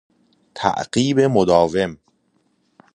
تعقیب مداوم